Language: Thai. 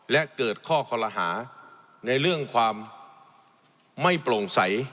และเกิดข้อคอลหาในเรื่องความไม่โปร่งใส